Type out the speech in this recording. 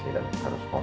dan harus mohon